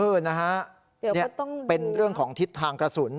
เออนะฮะเดี๋ยวพูดต้องเป็นเรื่องของทิศทางกระสุน